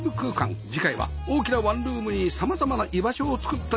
次回は大きなワンルームに様々な居場所を作った家